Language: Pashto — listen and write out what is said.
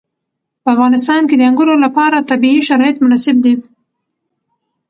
په افغانستان کې د انګورو لپاره طبیعي شرایط مناسب دي.